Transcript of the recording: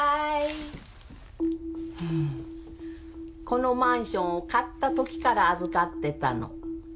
このマンションを買ったときから預かってたの。